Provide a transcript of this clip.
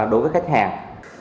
đối với khách hàng